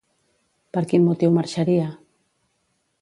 Per quin motiu marxaria?